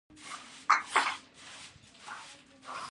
د سکرو سوځېدل د هوا ګرمښت ته مرسته کوي.